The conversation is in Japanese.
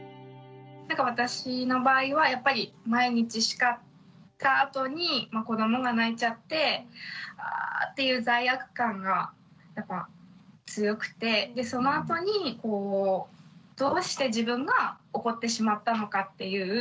私の場合はやっぱり毎日しかったあとに子どもが泣いちゃってあっていう罪悪感がやっぱ強くてそのあとにどうして自分が怒ってしまったのかっていう。